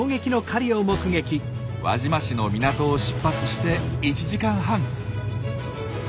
輪島市の港を出発して１時間半。